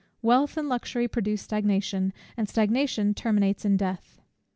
Wealth and luxury produce stagnation, and stagnation terminates in death.